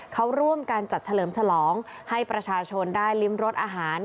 เขาร่วมกันจัดเฉลิมฉลองให้ประชาชนได้ริมรสอาหาร